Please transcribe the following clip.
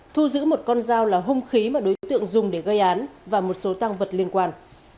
thu giữ một con dao là hung khí mà đối tượng dùng để gây án và một số tăng vật liên quan